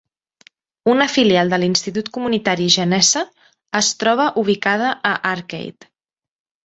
Una filial de l'Institut Comunitari Genese es troba ubicada a Arcade.